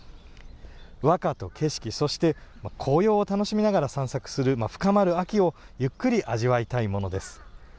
和歌と景色そして、紅葉を楽しみながら散策する、深まる秋をゆっくり味わいたいものです。